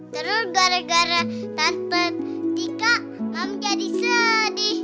terus gara gara tante tika kamu jadi sedih